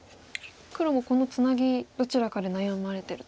黒もこのツナギどちらかで悩まれてると。